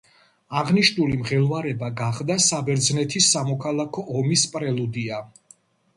აღნიშნული მღელვარება გახდა საბერძნეთის სამოქალაქო ომის პრელუდია.